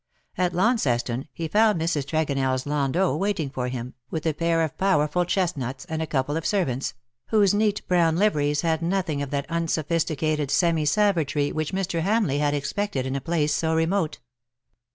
At Launceston he found Mrs. TregonelFs landau THE LOVELACE OF HIS DAY. 41 waiting for him, with a pair of powerful chestnuts^ and a couple of servants, whose neat brown liveries had nothing of that unsophisticated semi savagery which Mr. Hamleigh had expected in a place so remote.